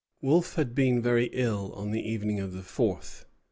Wolfe had been very ill on the evening of the fourth.